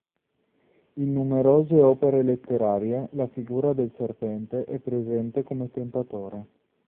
In numerose opere letterarie la figura del serpente è presente come tentatore.